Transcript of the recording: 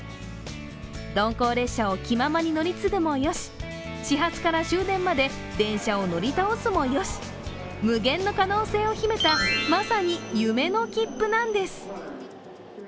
鈍行列車を気ままに乗り継ぐもよし、始発から終電まで電車を乗り倒すもよし、無限の可能性を秘めたまさに夢の切符なんです。